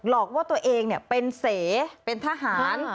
หลอกว่าตัวเองเป็นเสเป็นทหาร